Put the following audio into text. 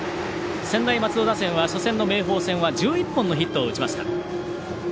専大松戸打線は初戦の明豊戦は１１本のヒットを打ちました。